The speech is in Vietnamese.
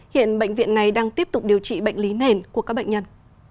hiện bệnh viện này đang tiếp tục điều trị bệnh lý nền của các bệnh nhân